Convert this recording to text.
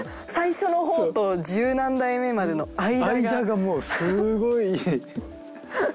最初のほうと１０何代目までの間が。